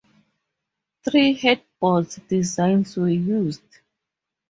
Three headboard designs were used.